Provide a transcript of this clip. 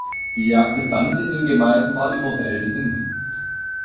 Die Akzeptanz in den Gemeinden war überwältigend.